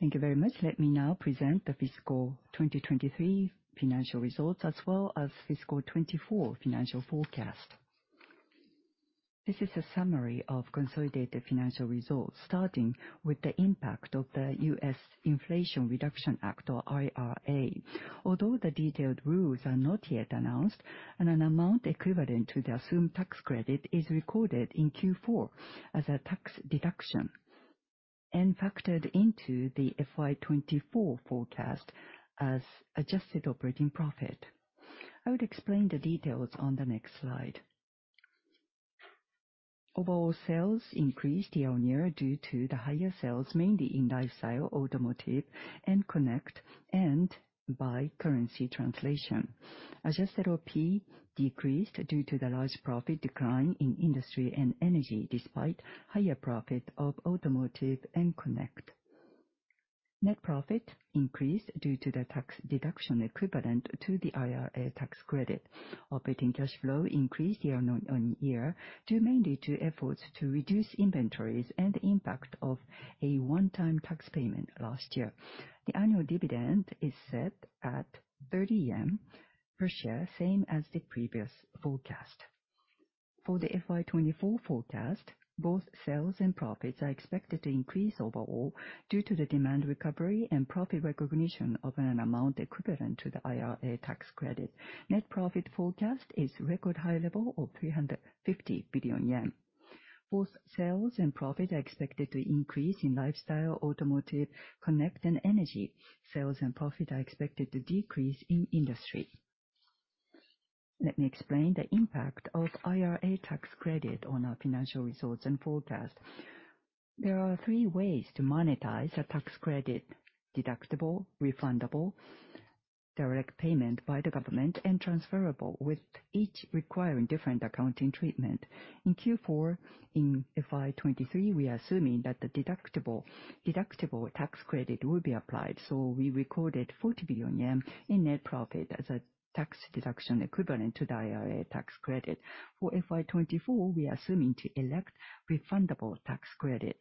Thank you very much. Let me now present the fiscal 2023 financial results as well as fiscal 2024 financial forecast. This is a summary of consolidated financial results starting with the impact of the U.S. Inflation Reduction Act or IRA. Although the detailed rules are not yet announced, an amount equivalent to the assumed tax credit is recorded in Q4 as a tax deduction and factored into the FY 2024 forecast as adjusted operating profit. Overall sales increased year-on-year due to the higher sales mainly in lifestyle, automotive, and connect, and by currency translation. Adjusted OP decreased due to the large profit decline in industry and energy despite higher profit of automotive and connect. Net profit increased due to the tax deduction equivalent to the IRA tax credit. Operating cash flow increased year-on-year due mainly to efforts to reduce inventories and impact of a one-time tax payment last year. The annual dividend is set at 30 yen per share, same as the previous forecast. For the FY 2024 forecast, both sales and profits are expected to increase overall due to the demand recovery and profit recognition of an amount equivalent to the IRA tax credit. Net profit forecast is record high level of 350 billion yen. Both sales and profits are expected to increase in lifestyle, automotive, Connect and energy. Sales and profit are expected to decrease in industry. Let me explain the impact of IRA tax credit on our financial results and forecast. There are three ways to monetize a tax credit: deductible, refundable, direct payment by the government, and transferable, with each requiring different accounting treatment. In Q4 in FY 2023, we are assuming that the deductible tax credit will be applied. We recorded 40 billion yen in net profit as a tax deduction equivalent to the IRA tax credit. For FY 2024, we are assuming to elect refundable tax credit.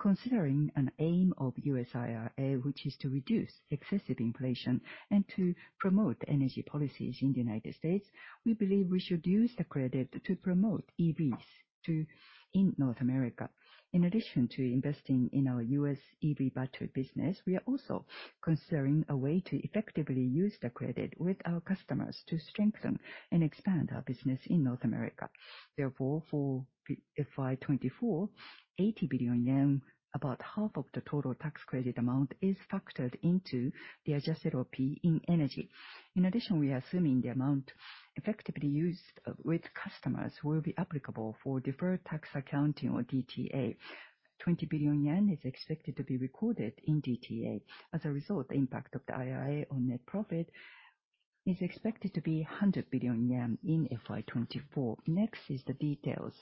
Considering an aim of U.S. IRA, which is to reduce excessive inflation and to promote energy policies in the U.S., we believe we should use the credit to promote EVs in North America. In addition to investing in our U.S. EV battery business, we are also considering a way to effectively use the credit with our customers to strengthen and expand our business in North America. For FY 2024, 80 billion yen, about half of the total tax credit amount, is factored into the adjusted OP in energy. In addition, we are assuming the amount effectively used with customers will be applicable for deferred tax accounting or DTA. 20 billion yen is expected to be recorded in DTA. As a result, the impact of the IRA on net profit is expected to be 100 billion yen in FY 2024. Next is the details.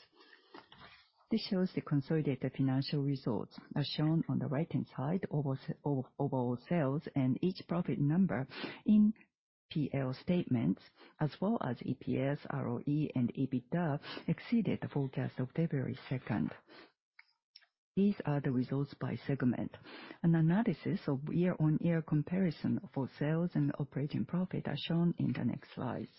This shows the consolidated financial results. As shown on the right-hand side, overall sales and each profit number in P/L statements as well as EPS, ROE, and EBITDA exceeded the forecast of February 2. These are the results by segment. An analysis of year-on-year comparison for sales and operating profit are shown in the next slides.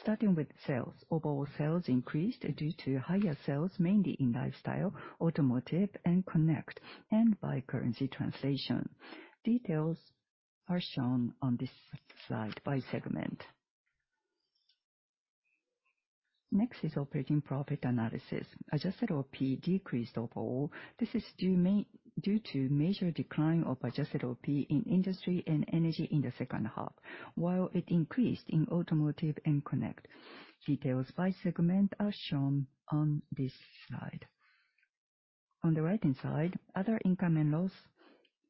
Starting with sales. Overall sales increased due to higher sales mainly in Lifestyle, Automotive, and Connect, and by currency translation. Details are shown on this slide by segment. Next is operating profit analysis. Adjusted OP decreased overall. This is due to major decline of adjusted OP in Industry and Energy in the second half, while it increased in Automotive and Connect. Details by segment are shown on this slide. On the right-hand side, other income and loss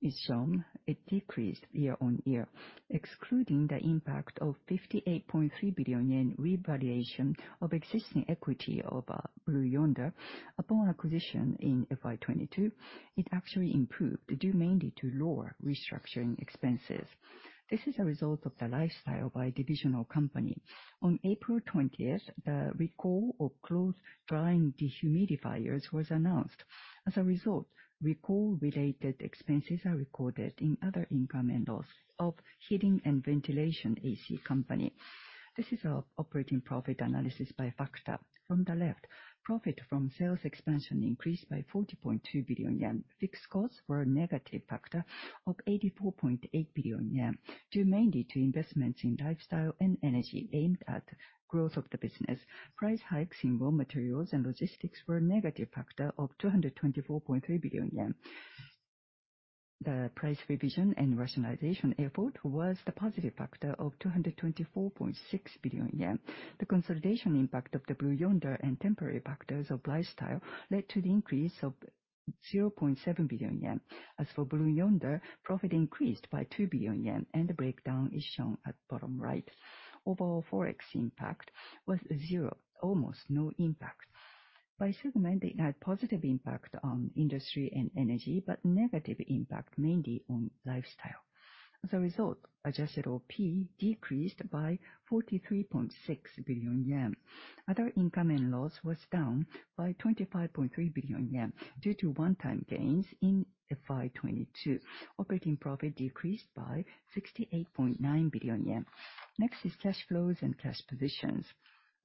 is shown. It decreased year-on-year. Excluding the impact of 58.3 billion yen revaluation of existing equity over Blue Yonder upon acquisition in FY 2022, it actually improved due mainly to lower restructuring expenses. This is a result of the lifestyle by divisional company. On April 20th, the recall of Clothes Drying Dehumidifiers was announced. Recall related expenses are recorded in other income and loss of Heating & Ventilation A/C Company. This is our operating profit analysis by factor. From the left, profit from sales expansion increased by 40.2 billion yen. Fixed costs were a negative factor of 84.8 billion yen due mainly to investments in lifestyle and energy aimed at growth of the business. Price hikes in raw materials and logistics were a negative factor of 224.3 billion yen. The price revision and rationalization effort was the positive factor of 224.6 billion yen. The consolidation impact of Blue Yonder and temporary factors of lifestyle led to the increase of 0.7 billion yen. As for Blue Yonder, profit increased by 2 billion yen and the breakdown is shown at bottom right. Overall Forex impact was zero, almost no impact. By segment, it had positive impact on industry and energy, but negative impact mainly on lifestyle. As a result, adjusted OP decreased by 43.6 billion yen. Other income and loss was down by 25.3 billion yen due to one-time gains in FY 2022. Operating profit decreased by 68.9 billion yen. Next is cash flows and cash positions.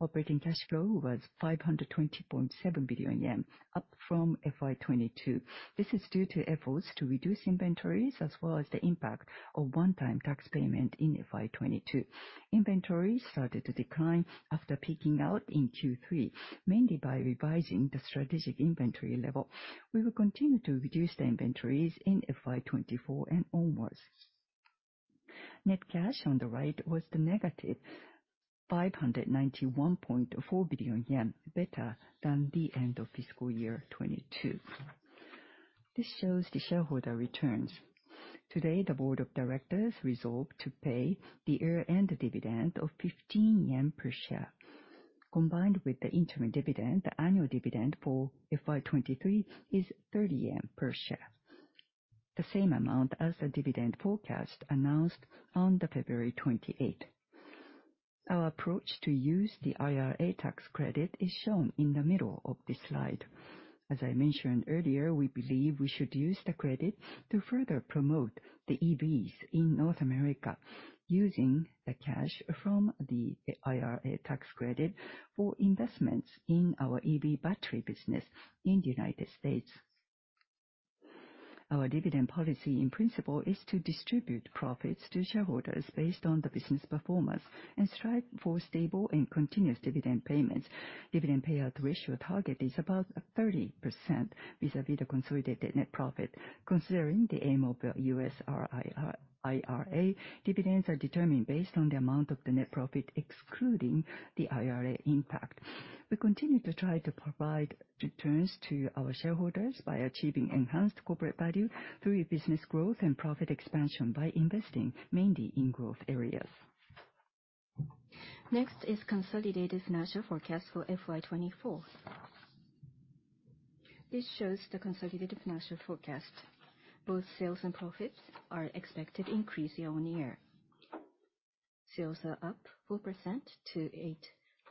Operating cash flow was 520.7 billion yen, up from FY 2022. This is due to efforts to reduce inventories as well as the impact of one-time tax payment in FY 2022. Inventories started to decline after peaking out in Q3, mainly by revising the strategic inventory level. We will continue to reduce the inventories in FY 2024 and onwards. Net cash on the right was the negative 591.4 billion yen, better than the end of fiscal year 2022. This shows the shareholder returns. Today, the board of directors resolved to pay the year-end dividend of 15 yen per share. Combined with the interim dividend, the annual dividend for FY 23 is 30 yen per share, the same amount as the dividend forecast announced on the February 28th. Our approach to use the IRA tax credit is shown in the middle of this slide. As I mentioned earlier, we believe we should use the credit to further promote the EVs in North America using the cash from the IRA tax credit for investments in our EV battery business in the United States. Our dividend policy in principle is to distribute profits to shareholders based on the business performance and strive for stable and continuous dividend payments. Dividend payout ratio target is about 30% vis-a-vis the consolidated net profit. Considering the aim of the US IRA, dividends are determined based on the amount of the net profit excluding the IRA impact. We continue to try to provide returns to our shareholders by achieving enhanced corporate value through business growth and profit expansion by investing mainly in growth areas. This is consolidated financial forecast for FY 2024. This shows the consolidated financial forecast. Both sales and profits are expected increase year-on-year. Sales are up 4% to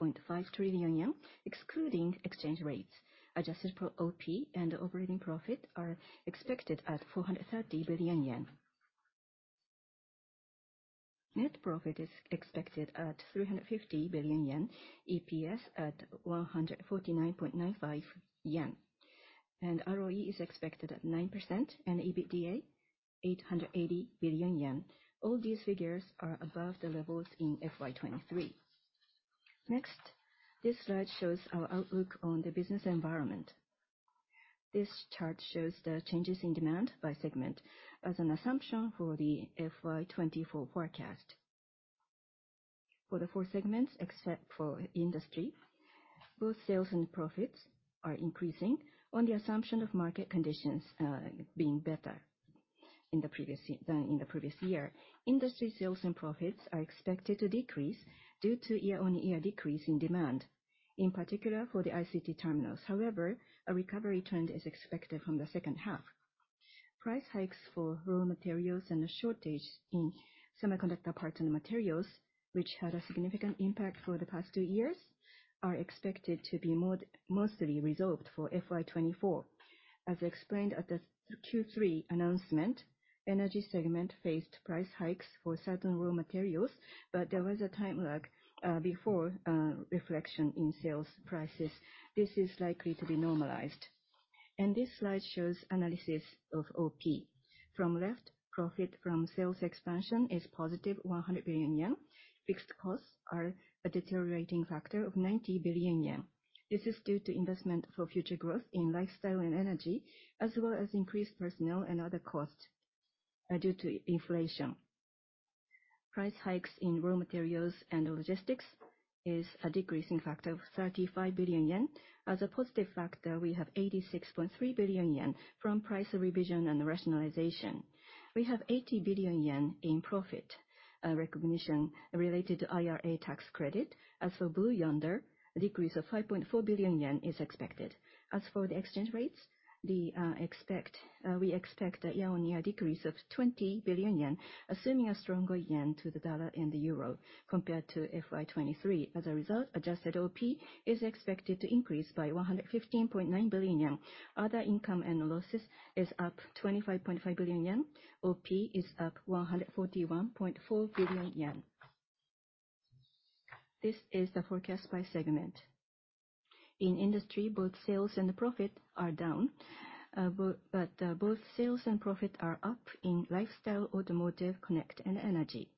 8.5 trillion yen excluding exchange rates. Adjusted pro OP and operating profit are expected at 430 billion yen. Net profit is expected at 350 billion yen, EPS at 149.95 yen. ROE is expected at 9% and EBITDA 880 billion yen. All these figures are above the levels in FY 2023. This slide shows our outlook on the business environment. This chart shows the changes in demand by segment as an assumption for the FY 2024 forecast. For the four segments, except for industry, both sales and profits are increasing on the assumption of market conditions being better than in the previous year. Industry sales and profits are expected to decrease due to year-on-year decrease in demand, in particular for the ICT terminals. However, a recovery trend is expected from the second half. Price hikes for raw materials and a shortage in semiconductor parts and materials, which had a significant impact for the past two years, are expected to be mostly resolved for FY 2024. As explained at the Q3 announcement, Energy segment faced price hikes for certain raw materials, but there was a time lag before reflection in sales prices. This is likely to be normalized. This slide shows analysis of OP. From left, profit from sales expansion is positive 100 billion yen. Fixed costs are a deteriorating factor of 90 billion yen. This is due to investment for future growth in lifestyle and energy, as well as increased personnel and other costs due to inflation. Price hikes in raw materials and logistics is a decreasing factor of 35 billion yen. As a positive factor, we have 86.3 billion yen from price revision and rationalization. We have 80 billion yen in profit recognition related to IRA tax credit. As for Blue Yonder, a decrease of 5.4 billion yen is expected. As for the exchange rates, we expect a year-on-year decrease of 20 billion yen, assuming a stronger yen to the dollar and the euro compared to FY 2023. As a result, adjusted OP is expected to increase by 115.9 billion yen. Other income and losses is up 25.5 billion yen. OP is up 141.4 billion yen. This is the forecast by segment. In industry, both sales and profit are down. Both sales and profit are up in lifestyle, automotive, connect, and energy.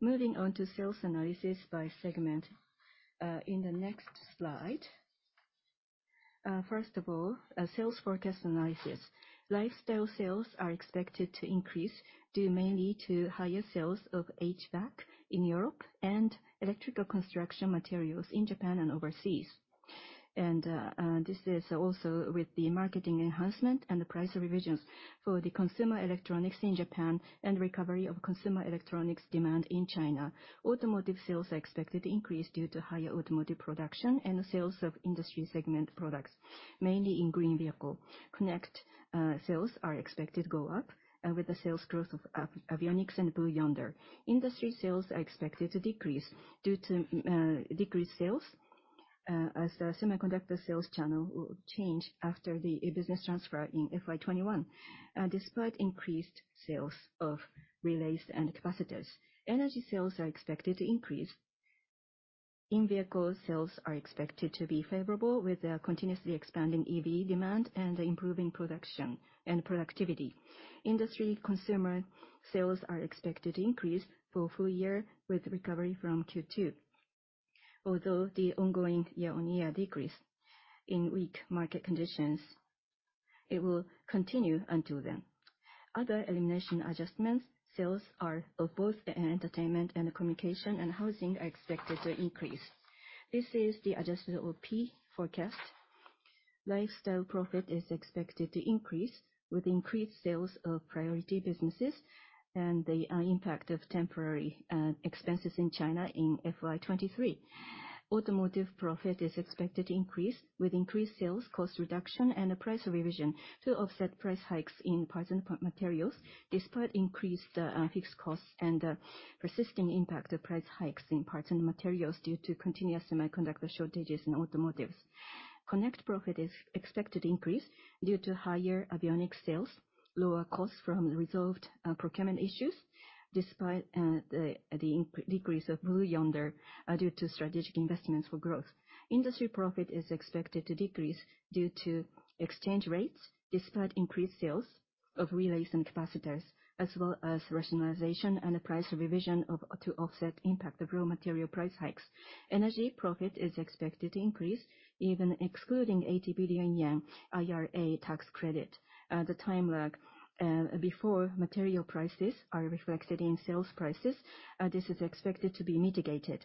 Moving on to sales analysis by segment in the next slide. First of all, a sales forecast analysis. Lifestyle sales are expected to increase due mainly to higher sales of HVAC in Europe and electrical construction materials in Japan and overseas. This is also with the marketing enhancement and the price revisions for the consumer electronics in Japan and recovery of consumer electronics demand in China. Automotive sales are expected to increase due to higher automotive production and the sales of industry segment products, mainly in green vehicle. Connect sales are expected go up with the sales growth of Avionics and Blue Yonder. Industry sales are expected to decrease due to decreased sales as the semiconductor sales channel will change after the business transfer in FY 2021. Despite increased sales of relays and capacitors, energy sales are expected to increase. In-vehicle sales are expected to be favorable with their continuously expanding EV demand and improving production and productivity. Industry consumer sales are expected to increase for full year with recovery from Q2, although the ongoing year-on-year decrease in weak market conditions, it will continue until then. Other elimination adjustments, sales are of both entertainment and communication and housing are expected to increase. This is the adjusted OP forecast. Lifestyle Profit is expected to increase with increased sales of priority businesses and the impact of temporary expenses in China in FY 2023. Automotive Profit is expected to increase with increased sales, cost reduction, and a price revision to offset price hikes in parts and materials despite increased fixed costs and persisting impact of price hikes in parts and materials due to continuous semiconductor shortages in automotive. Connect Profit is expected to increase due to higher Avionics sales, lower costs from the resolved procurement issues despite the decrease of Blue Yonder due to strategic investments for growth. Industry Profit is expected to decrease due to exchange rates despite increased sales of relays and capacitors, as well as rationalization and a price revision to offset impact of raw material price hikes. Profit is expected to increase even excluding 80 billion yen IRA tax credit. The time lag before material prices are reflected in sales prices, this is expected to be mitigated.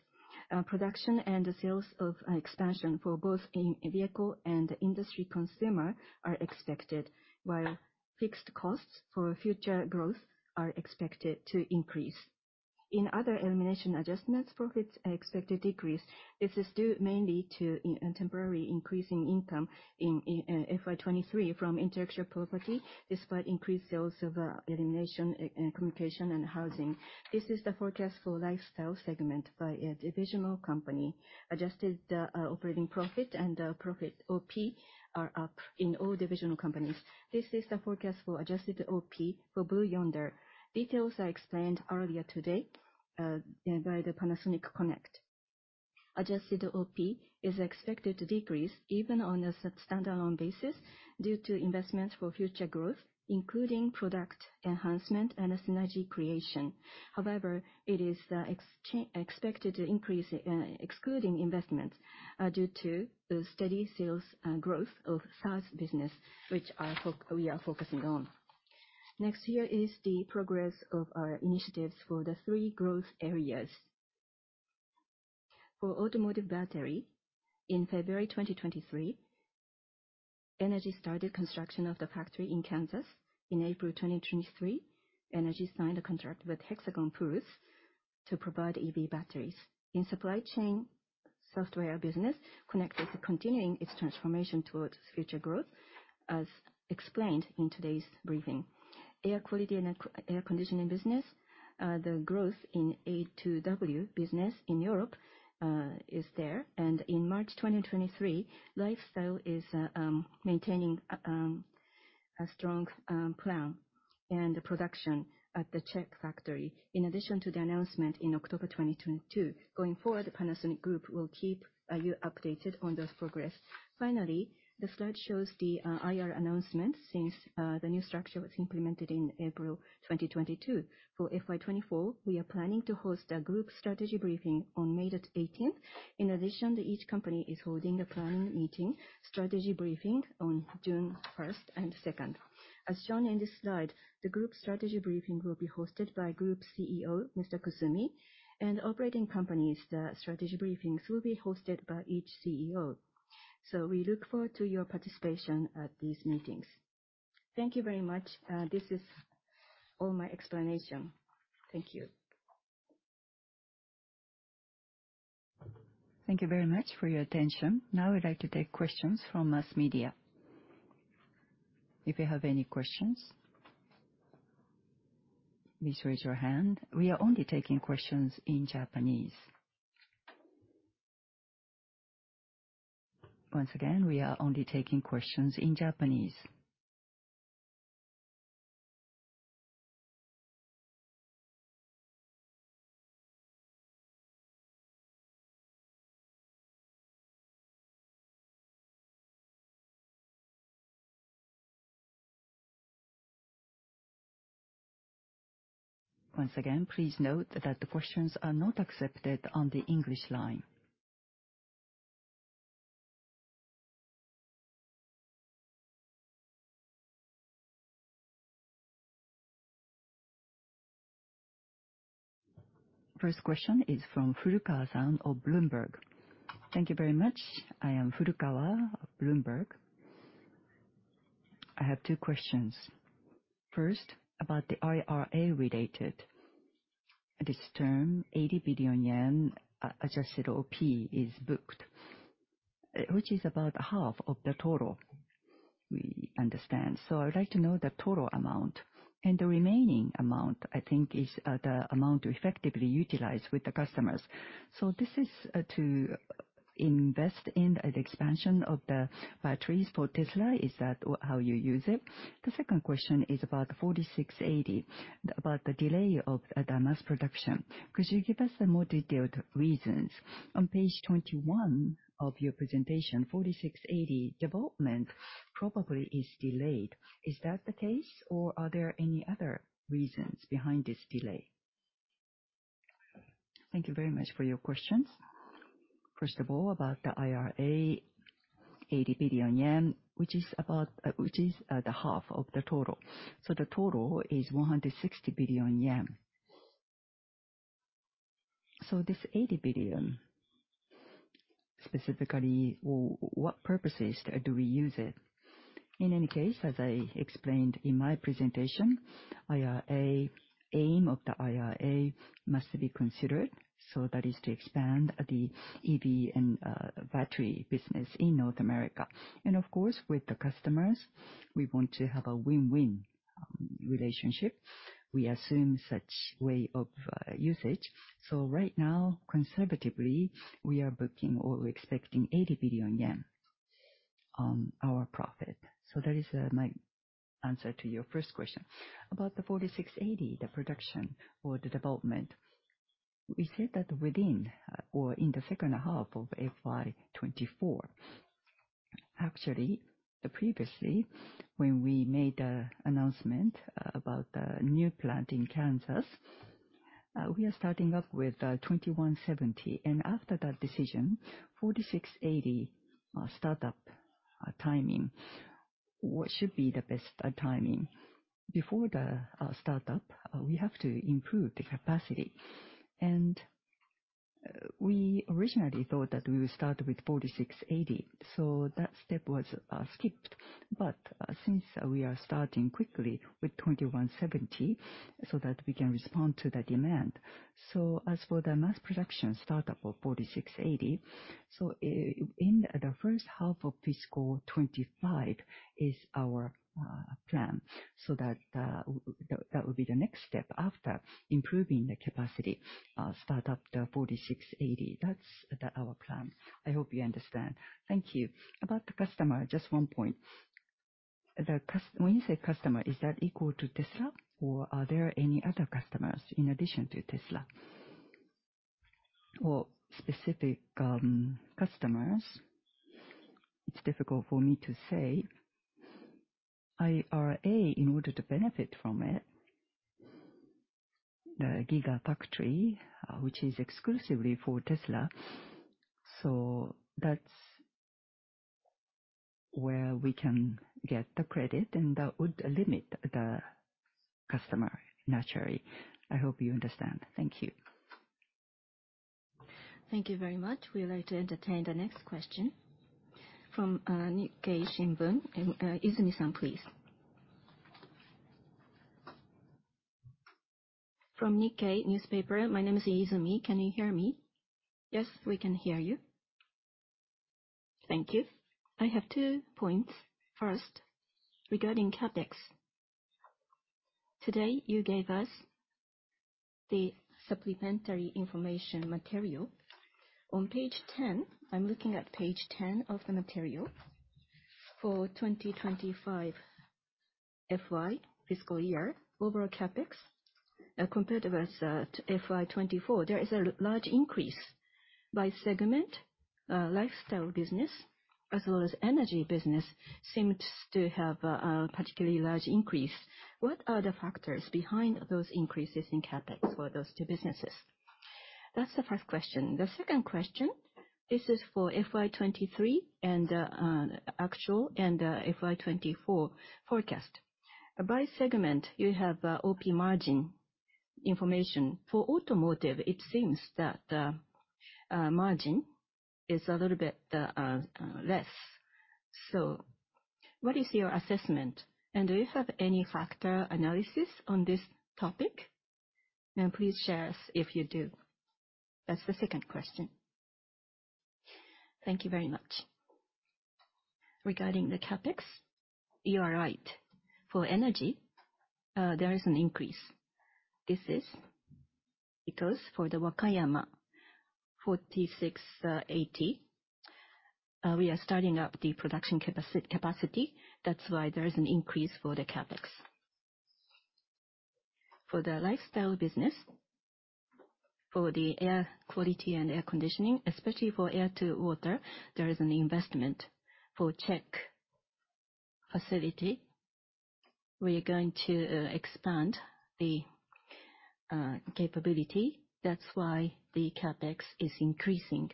Production and sales expansion for both in-vehicle and industry consumer are expected, while fixed costs for future growth are expected to increase. In other elimination adjustments, profits are expected to decrease. This is due mainly to temporary increase in income in FY 2023 from intellectual property despite increased sales of elimination in communication and housing. This is the forecast for lifestyle segment by divisional company. Adjusted operating profit and OP are up in all divisional companies. This is the forecast for adjusted OP for Blue Yonder. Details are explained earlier today by Panasonic Connect. Adjusted OP is expected to decrease even on a sub standalone basis due to investments for future growth, including product enhancement and a synergy creation. It is expected to increase, excluding investments, due to the steady sales growth of SaaS business, which we are focusing on. Here is the progress of our initiatives for the three growth areas. For automotive battery, in February 2023, Energy started construction of the factory in Kansas. In April 2023, Energy signed a contract with Hexagon Purus to provide EV batteries. In supply chain software business, connected to continuing its transformation towards future growth, as explained in today's briefing. Air quality and air conditioning business, the growth in A2W business in Europe is there. In March 2023, Lifestyle is maintaining a strong plan and production at the Czech factory. In addition to the announcement in October 2022, going forward, Panasonic Group will keep you updated on those progress. Finally, the slide shows the IR announcements since the new structure was implemented in April 2022. For FY 24, we are planning to host a group strategy briefing on May 18th. In addition, each company is holding a planning meeting strategy briefing on June 1st and 2nd. As shown in this slide, the group strategy briefing will be hosted by Group CEO, Mr. Kusumi, and operating companies, the strategy briefings will be hosted by each CEO. We look forward to your participation at these meetings. Thank you very much. This is all my explanation. Thank you. Thank you very much for your attention. Now I'd like to take questions from mass media. If you have any questions, please raise your hand. We are only taking questions in Japanese. Once again, we are only taking questions in Japanese. Once again, please note that the questions are not accepted on the English line. First question is from Furukawa of Bloomberg. Thank you very much. I am Furukawa of Bloomberg. I have two questions. First, about the IRA related. This term, 80 billion yen adjusted OP is booked, which is about half of the total, we understand. I would like to know the total amount. The remaining amount, I think, is the amount effectively utilized with the customers. This is to invest in the expansion of the batteries for Tesla? Is that how you use it? The second question is about the 4680, about the delay of the mass production. Could you give us the more detailed reasons? On page 21 of your presentation, 4680 development probably is delayed. Is that the case, or are there any other reasons behind this delay? Thank you very much for your questions. First of all, about the IRA, 80 billion yen, which is about, which is the half of the total. The total is 160 billion yen. This 80 billion, specifically, what purposes do we use it? In any case, as I explained in my presentation, IRA, aim of the IRA must be considered, so that is to expand the EV and battery business in North America. Of course, with the customers, we want to have a win-win relationship. We assume such way of usage. Right now, conservatively, we are booking or expecting 80 billion yen on our profit. That is my answer to your first question. About the 4680, the production or the development, we said that within or in the second half of FY 2024. Actually, previously, when we made an announcement about the new plant in Kansas, we are starting up with 2170. After that decision, 4680 start up timing, what should be the best timing? Before the start up, we have to improve the capacity. We originally thought that we would start with 4680, so that step was skipped. Since we are starting quickly with 2170 so that we can respond to the demand. As for the mass production start-up of 4680, in the first half of fiscal 25 is our plan. That would be the next step after improving the capacity, start up the 4680. That's our plan. I hope you understand. Thank you. About the customer, just one point. When you say customer, is that equal to Tesla, or are there any other customers in addition to Tesla? Well, specific customers, it's difficult for me to say. IRA, in order to benefit from it, the Gigafactory, which is exclusively for Tesla, so that's where we can get the credit, and that would limit the customer naturally. I hope you understand. Thank you. Thank you very much. We'd like to entertain the next question from Nikkei Shimbun. Izumi-san, please. From Nikkei newspaper. My name is Izumi. Can you hear me? Yes, we can hear you. Thank you. I have two points. First, regarding CapEx. Today, you gave us the supplementary information material. On page 10, I'm looking at page 10 of the material. For FY 2025, fiscal year, overall CapEx, compared with FY 2024, there is a large increase. By segment, lifestyle business as well as energy business seems to have a particularly large increase. What are the factors behind those increases in CapEx for those two businesses? That's the first question. The second question, this is for FY 2023 and on actual and FY 2024 forecast. By segment, you have OP margin information. For automotive, it seems that margin is a little bit less. What is your assessment? Do you have any factor analysis on this topic? Please share if you do. That's the second question. Thank you very much. Regarding the CapEx, you are right. For energy, there is an increase. This is because for the Wakayama 4680, we are starting up the production capacity. That's why there is an increase for the CapEx. For the lifestyle business, for the air quality and air concditioning, especially for Air-to-Water, there is an investment. For Czech facility, we are going to expand the capability. That's why the CapEx is increasing.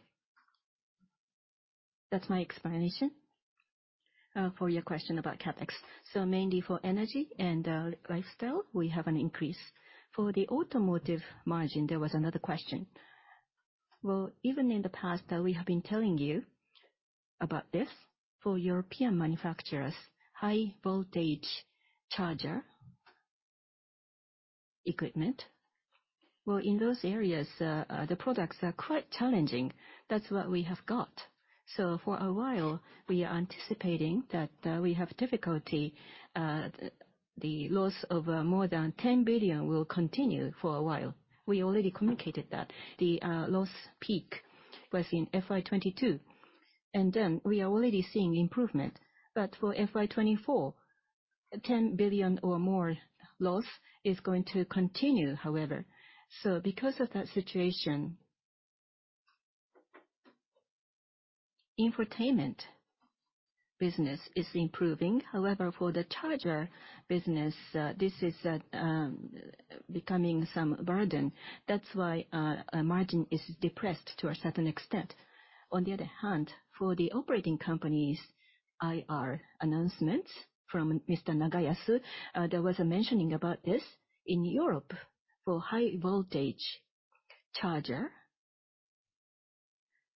That's my explanation for your question about CapEx. Mainly for energy and lifestyle, we have an increase. For the automotive margin, there was another question. Well, even in the past, we have been telling you about this. For European manufacturers, high voltage charger equipment. Well, in those areas, the products are quite challenging. That's what we have got. For a while, we are anticipating that we have difficulty, the loss of more than 10 billion will continue for a while. We already communicated that. The loss peak was in FY 2022, and then we are already seeing improvement. For FY 2024, 10 billion or more loss is going to continue, however. Because of that situation, infotainment business is improving. For the charger business, this is becoming some burden. That's why our margin is depressed to a certain extent. On the other hand, for the operating company's IR announcements from Mr. Nagayasu, there was a mentioning about this. In Europe, for high voltage charger,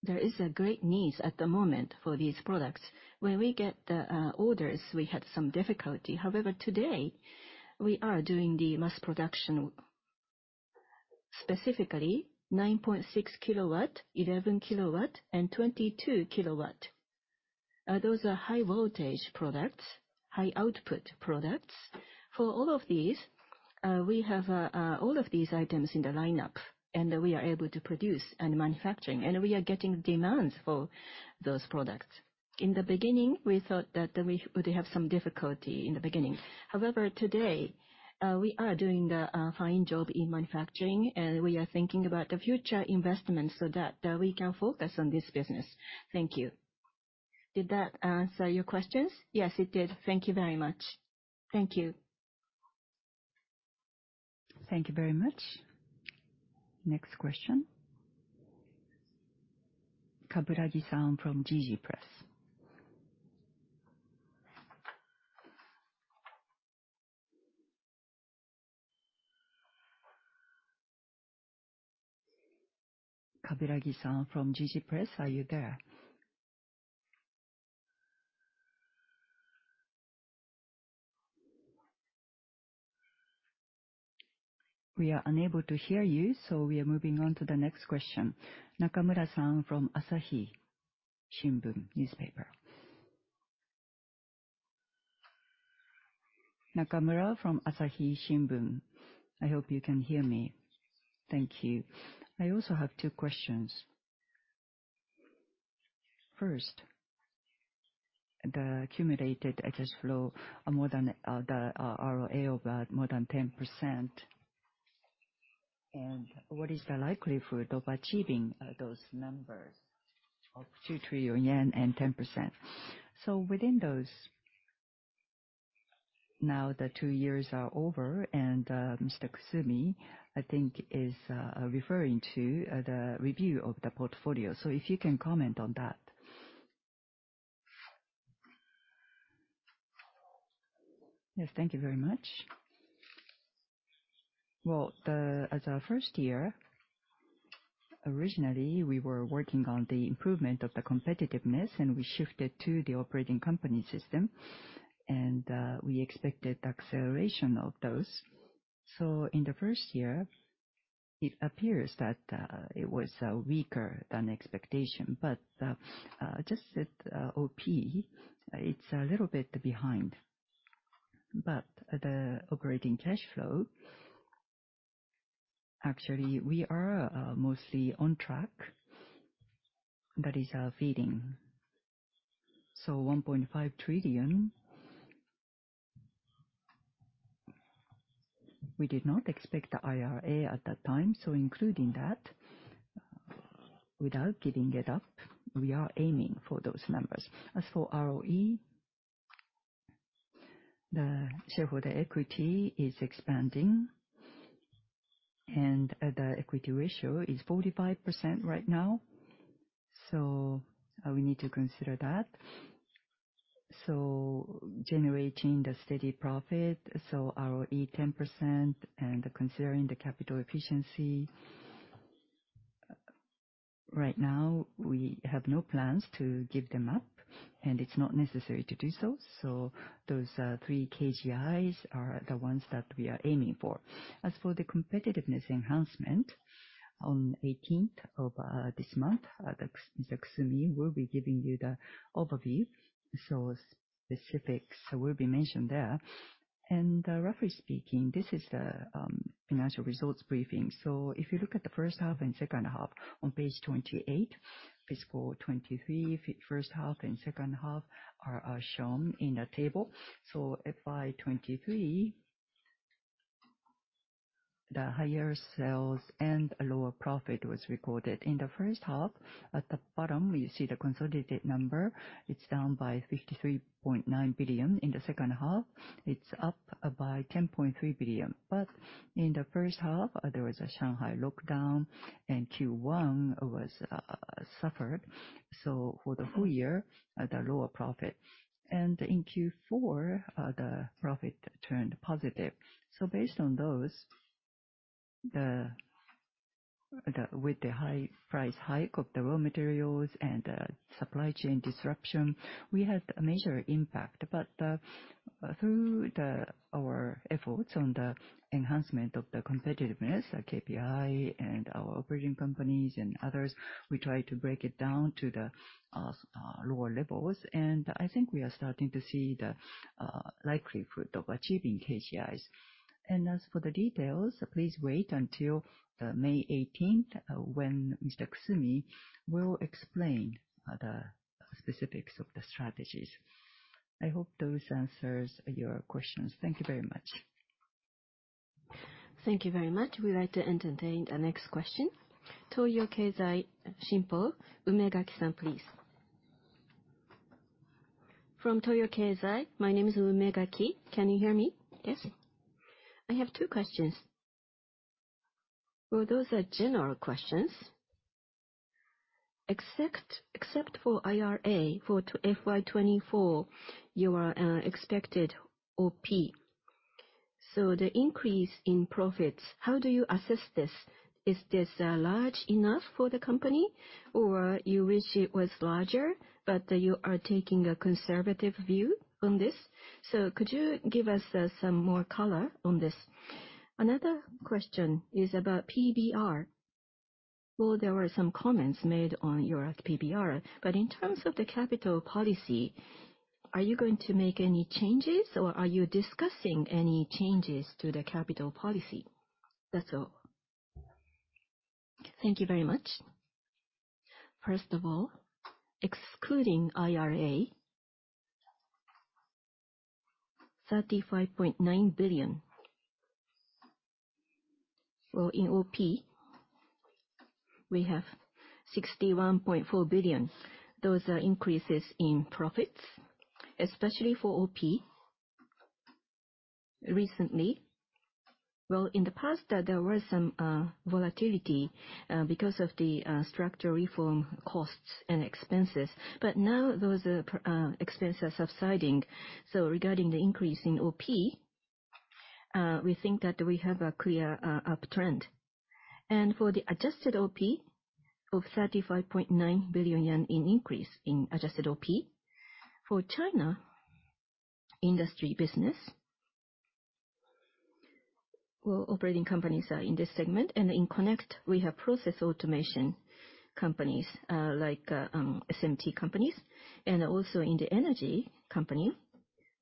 there is a great need at the moment for these products. When we get the orders, we had some difficulty. Today, we are doing the mass production. Specifically 9.6 kW, 11 kW, and 22 kW. Those are high voltage products, high output products. For all of these, we have all of these items in the lineup, and we are able to produce and manufacturing, and we are getting demands for those products. In the beginning, we thought that we would have some difficulty in the beginning. Today, we are doing a fine job in manufacturing, and we are thinking about the future investments so that we can focus on this business. Thank you. Did that answer your questions? Yes, it did. Thank you very much. Thank you. Thank you very much. Next question. Kaburagi-san from Jiji Press. Kaburagi-san from Jiji Press, are you there? We are unable to hear you, so we are moving on to the next question. Nakamura-san from Asahi Shimbun. Nakamura from Asahi Shimbun. I hope you can hear me. Thank you. I also have two questions. First, the accumulated excess flow of more than the ROA of more than 10%, and what is the likelihood of achieving those numbers of 2 trillion yen and 10%? Within those, now the two years are over and Mr. Kusumi, I think, is referring to the review of the portfolio. If you can comment on that. Yes, thank you very much. Well, as our first year, originally, we were working on the improvement of the competitiveness, and we shifted to the operating company system, and we expected acceleration of those. In the first year, it appears that it was weaker than expectation. Just at OP, it's a little bit behind. The operating cash flow, actually, we are mostly on track. That is feeding. JPY 1.5 trillion. We did not expect the IRA at that time, so including that, without giving it up, we are aiming for those numbers. As for ROE, the shareholder equity is expanding and the equity ratio is 45% right now, so we need to consider that. Generating the steady profit, so ROE 10% and considering the capital efficiency, right now we have no plans to give them up, and it's not necessary to do so. Those three KGIs are the ones that we are aiming for. As for the competitiveness enhancement, on 18th of this month, Mr. Kusumi will be giving you the overview. Specifics will be mentioned there. Roughly speaking, this is the financial results briefing. If you look at the first half and second half on page 28, fiscal 2023, first half and second half are shown in a table. FY 2023, the higher sales and a lower profit was recorded. In the first half, at the bottom you see the consolidated number. It's down by 53.9 billion. In the second half, it's up by 10.3 billion. In the first half, there was a Shanghai lockdown, and Q1 was suffered. For the full year, the lower profit. In Q4, the profit turned positive. Based on those. With the high price hike of the raw materials and supply chain disruption, we had a major impact. Through our efforts on the enhancement of the competitiveness, like KPI and our operating companies and others, we try to break it down to lower levels. I think we are starting to see the likelihood of achieving KCIs. As for the details, please wait until May 18, when Mr. Kusumi will explain the specifics of the strategies. I hope those answers your questions. Thank you very much. Thank you very much. We'd like to entertain the next question. Toyo Keizai Shimpo, Umegaki-san, please. From Toyo Keizai. My name is Umegaki. Can you hear me? Yes. I have two questions. Well, those are general questions. Except for IRA for FY 2024, your expected OP. The increase in profits, how do you assess this? Is this large enough for the company or you wish it was larger, but you are taking a conservative view on this? Could you give us some more color on this? Another question is about PBR. Well, there were some comments made on your PBR, but in terms of the capital policy, are you going to make any changes or are you discussing any changes to the capital policy? That's all. Thank you very much. First of all, excluding IRA, JPY 35.9 billion. Well, in OP we have 61.4 billion. Those are increases in profits, especially for OP. Recently... Well, in the past, there were some volatility because of the structure reform costs and expenses, but now those expenses are subsiding. Regarding the increase in OP, we think that we have a clear uptrend. For the adjusted OP of 35.9 billion yen in increase in adjusted OP. For China industry business, well, operating companies are in this segment. In Connect we have process automation companies, like SMT companies. Also in the energy company,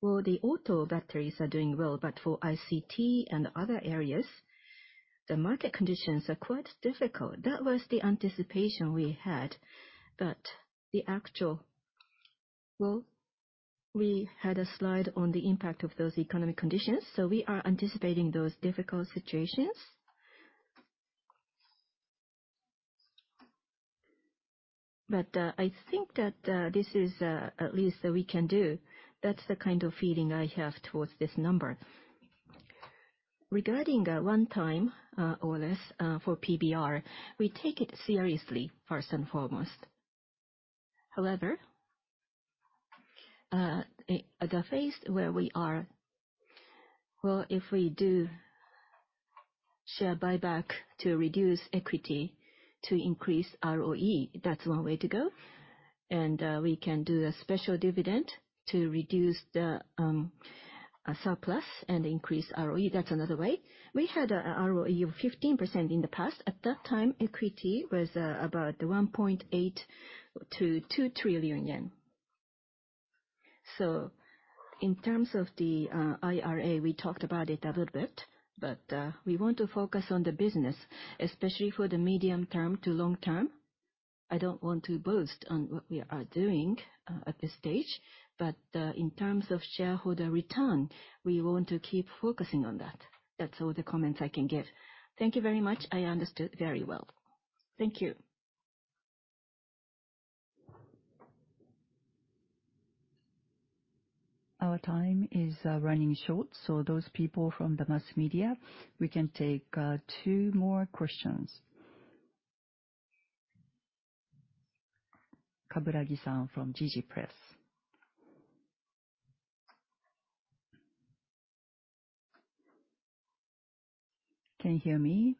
well, the auto batteries are doing well, but for ICT and other areas, the market conditions are quite difficult. That was the anticipation we had. Well, we had a slide on the impact of those economic conditions, so we are anticipating those difficult situations. I think that this is at least that we can do. That's the kind of feeling I have towards this number. Regarding the one-time OLS for PBR, we take it seriously first and foremost. However, at the phase where we are, well, if we do share buyback to reduce equity to increase ROE, that's one way to go. We can do a special dividend to reduce the surplus and increase ROE. That's another way. We had a ROE of 15% in the past. At that time, equity was about 1.8 trillion-2 trillion yen. In terms of the IRA, we talked about it a little bit, but we want to focus on the business, especially for the medium term to long term. I don't want to boast on what we are doing at this stage, but in terms of shareholder return, we want to keep focusing on that. That's all the comments I can give. Thank you very much. I understood very well. Thank you. Our time is running short. Those people from the mass media, we can take 2 more questions. Kaburagi-san from Jiji Press. Can you hear me?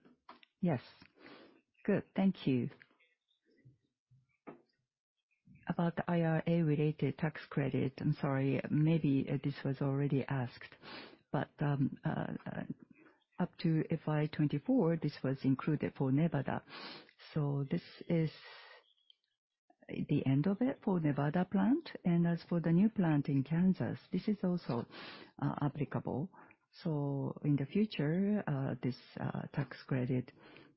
Yes. Good. Thank you. About IRA related tax credit, I'm sorry, maybe this was already asked, but, up to FY 2024 this was included for Nevada. This is the end of it for Nevada plant? As for the new plant in Kansas, this is also, applicable. In the future, this, tax credit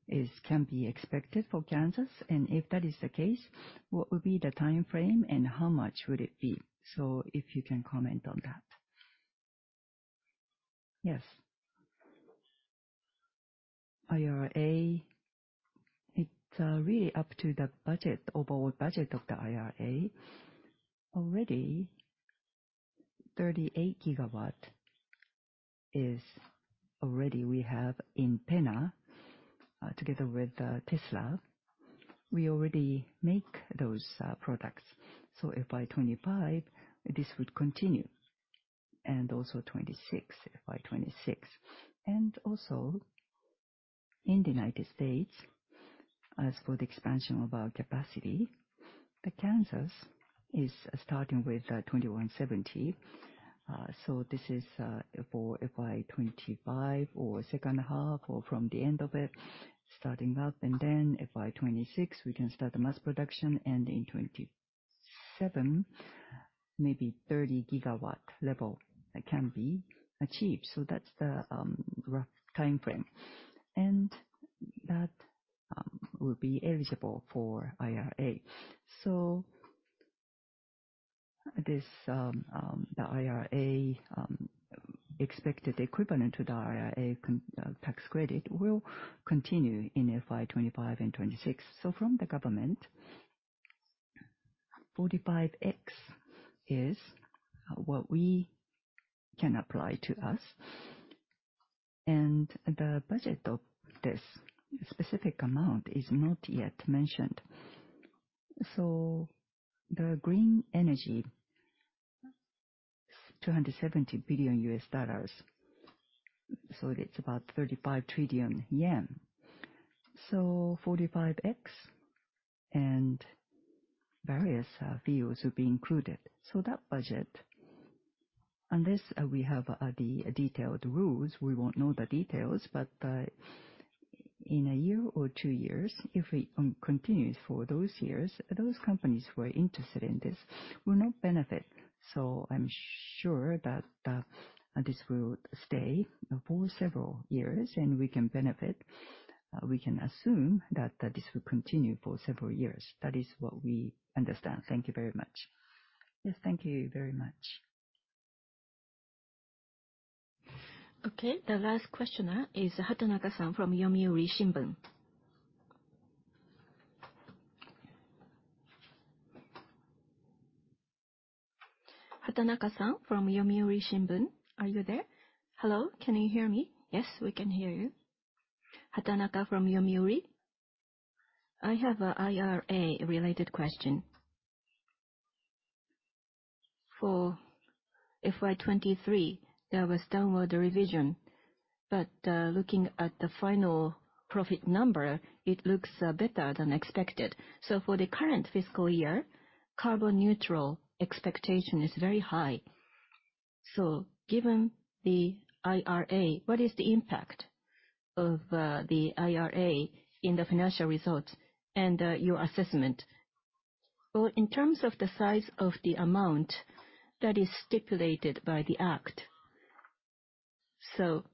is, can be expected for Kansas? If that is the case, what would be the timeframe and how much would it be? If you can comment on that. Yes. IRA, it's really up to the budget, overall budget of the IRA. 38 GW is already we have in PENA, together with Tesla. We already make those products. FY 2025, this would continue. Also 2026, FY 2026. Also in the United States, as for the expansion of our capacity, the Kansas is starting with 2170. So this is for FY 2025 or second half or from the end of it starting up. Then FY 2026, we can start the mass production, and in 2027, maybe 30 GW level can be achieved. So that's the rough timeframe. That will be eligible for IRA. So this, the IRA expected equivalent to the IRA tax credit will continue in FY 2025 and 2026. From the government, Section 45X is what we can apply to us. The budget of this specific amount is not yet mentioned. The green energy, $270 billion, so it's about JPY 35 trillion. Section 45X and various fields will be included. That budget, unless we have the detailed rules, we won't know the details. In a year or 2 years, if it continues for those years, those companies who are interested in this will not benefit. I'm sure that this will stay for several years and we can benefit. We can assume that this will continue for several years. That is what we understand. Thank you very much. Yes, thank you very much. The last questioner is Hatanaka-san from Yomiuri Shimbun. Hatanaka-san from Yomiuri Shimbun, are you there? Hello, can you hear me? Yes, we can hear you. Hatanaka from Yomiuri. I have a IRA related question. For FY 2023, there was downward revision, but, looking at the final profit number, it looks better than expected. For the current fiscal year, carbon neutral expectation is very high. Given the IRA, what is the impact of the IRA in the financial results and your assessment? Well, in terms of the size of the amount that is stipulated by the act, so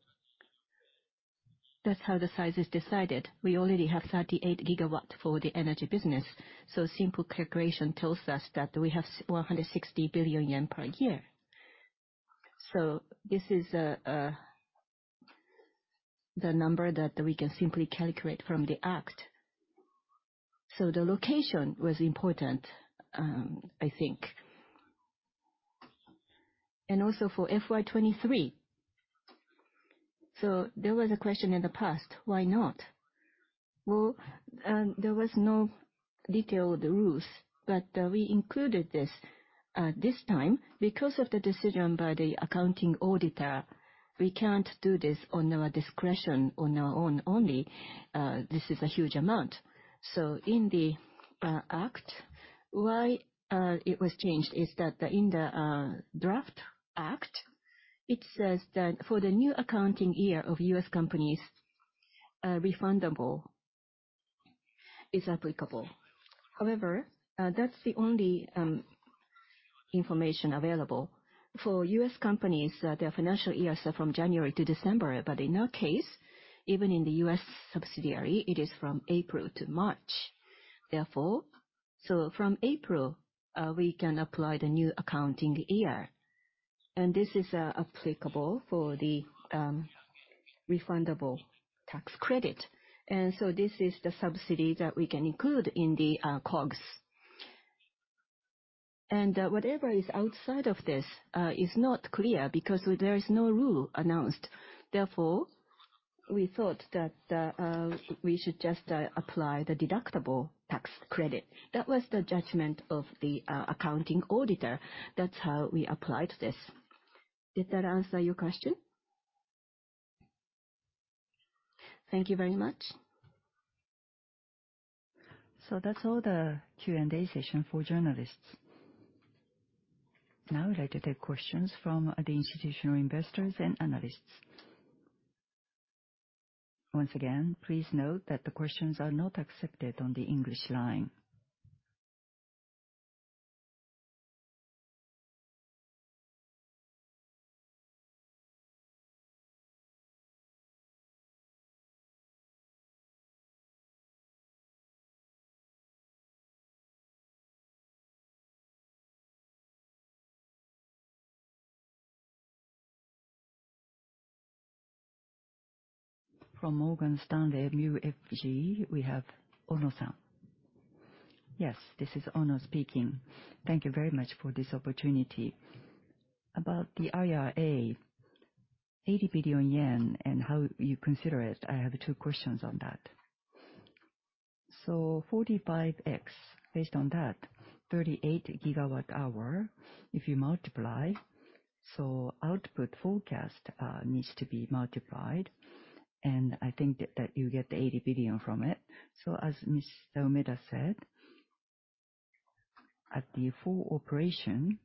that's how the size is decided. We already have 38 GW for the energy business, so simple calculation tells us that we have 160 billion yen per year. This is the number that we can simply calculate from the act. The location was important, I think. And also for FY 2023. There was a question in the past, why not? Well, there was no detailed rules, but we included this this time. Because of the decision by the accounting auditor, we can't do this on our discretion, on our own only. This is a huge amount. In the act, why it was changed is that in the draft act, it says that for the new accounting year of U.S. companies, refundable is applicable. However, that's the only information available. For U.S. companies, their financial years are from January to December. In our case, even in the U.S. subsidiary, it is from April to March. Therefore, from April, we can apply the new accounting year, and this is applicable for the refundable tax credit. This is the subsidy that we can include in the COGS. Whatever is outside of this is not clear because there is no rule announced. We thought that we should just apply the deductible tax credit. That was the judgment of the accounting auditor. That's how we applied this. Did that answer your question? Thank you very much. That's all the Q&A session for journalists. Now I'd like to take questions from the institutional investors and analysts. Once again, please note that the questions are not accepted on the English line. From Morgan Stanley MUFG, we have Ono-san. Yes, this is Ono speaking. Thank you very much for this opportunity. About the IRA, 80 billion yen and how you consider it, I have two questions on that. Section 45X, based on that, 38 GW hour, if you multiply. Output forecast needs to be multiplied, and I think that you get the 80 billion from it. As Mr. Umeda said, at the full operation,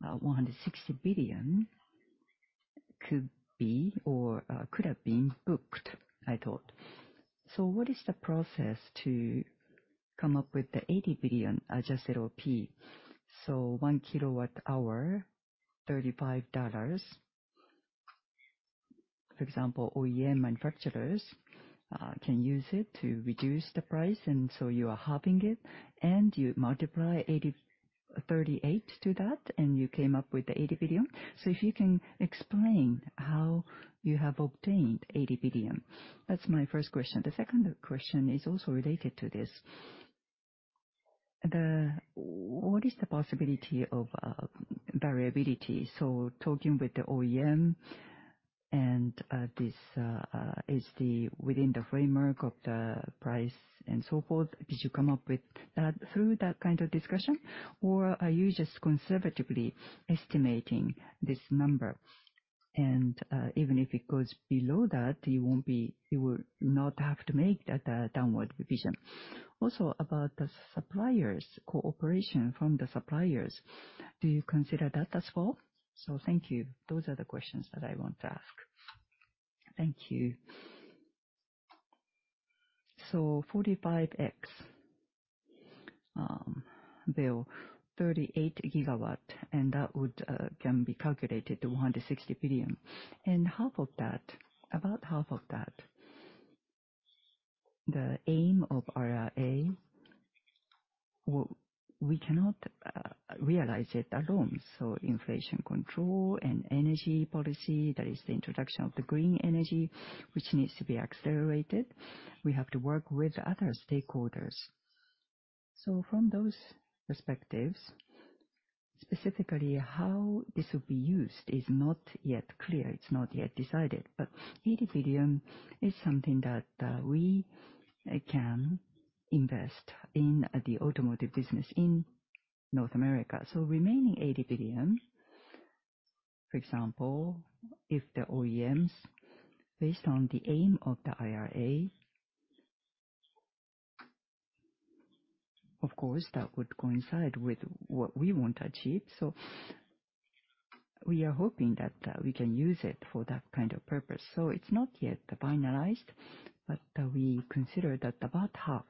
160 billion could be or could have been booked, I thought. What is the process to come up with the 80 billion adjusted OP? 1 kilowatt hour, $35. For example, OEM manufacturers can use it to reduce the price, you are halving it, and you multiply 38 to that, and you came up with the 80 billion. If you can explain how you have obtained 80 billion. That's my first question. The second question is also related to this. What is the possibility of variability? Talking with the OEM and this is within the framework of the price and so forth, did you come up with that through that kind of discussion, or are you just conservatively estimating this number? Even if it goes below that, you will not have to make that downward revision. Also, about the suppliers, cooperation from the suppliers, do you consider that as well? Thank you. Those are the questions that I want to ask. Thank you. 45X, 38 GW and that would can be calculated to $160 billion. Half of that, about half of that, the aim of IRA, we cannot realize it alone. Inflation control and energy policy, that is the introduction of the green energy, which needs to be accelerated. We have to work with other stakeholders. From those perspectives, specifically how this will be used is not yet clear. It's not yet decided. JPY 80 billion is something that we can invest in the automotive business in North America. Remaining 80 billion, for example, if the OEMs, based on the aim of the IRA... Of course, that would coincide with what we want to achieve, so we are hoping that we can use it for that kind of purpose. It's not yet finalized, but we consider that about half